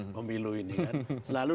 pemilu ini kan selalu